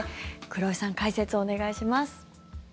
黒井さん、解説をお願いします。